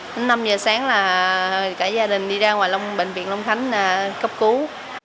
đến năm giờ sáng là cả gia đình đi ra ngoài bệnh viện long khánh cấp cứu